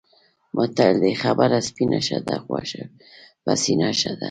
متل دی: خبره سپینه ښه ده، غوښه پسینه ښه ده.